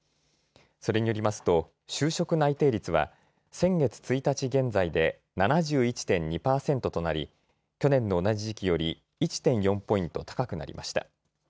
それによりますと就職内定率は先月１日現在で７１．２％となり去年の同じ時期より１．４ポイント高くなりました。